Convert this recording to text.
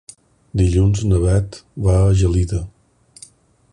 Dilluns na Beth va a Gelida.